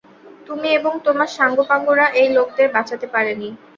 তুমি এবং তোমার সাঙ্গপাঙ্গরা ওই লোকদের বাঁচাতে পারেনি।